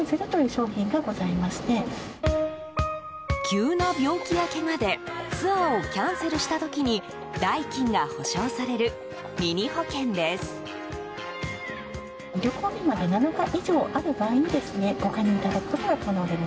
急な病気やけがでツアーをキャンセルした時に代金が補償されるミニ保険です。